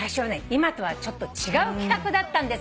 今とはちょっと違う企画だったんですよ。